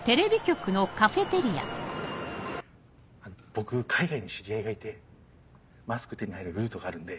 僕海外に知り合いがいてマスク手に入るルートがあるんで。